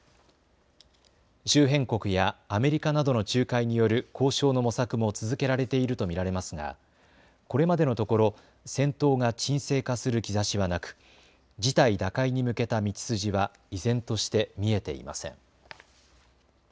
周辺国やアメリカなどの仲介による交渉の模索も続けられていると見られますがこれまでのところ戦闘が沈静化する兆しはなく事態打開に向けた道筋は依然として見えていません。